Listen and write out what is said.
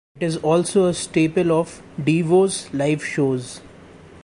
It is also a staple of Devo's live shows.